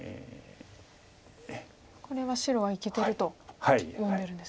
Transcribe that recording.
これは白はいけてると読んでるんですね。